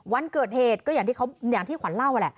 วันเกิดเหตุก็อย่างที่ขวัญเล่าแหละ